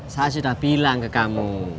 saya sudah bilang ke kamu